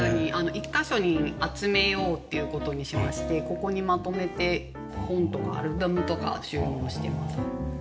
１カ所に集めようっていう事にしましてここにまとめて本とかアルバムとか収納してます。